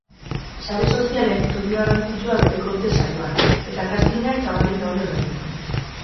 Sare sozialek toki garrantzitsua beteko dute saioan, eta castingak zabalik daude oraindik.